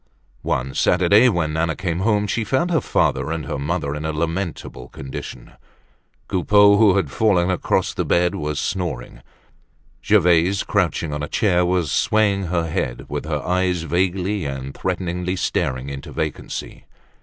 One Saturday when Nana came home she found her father and her mother in a lamentable condition. Coupeau, who had fallen across the bed was snoring. Gervaise, crouching on a chair was swaying her head, with her eyes vaguely and threateningly staring into vacancy.